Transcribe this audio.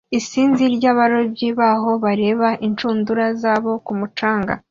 Isinzi ry'abarobyi baho bareba inshundura zabo ku mucanga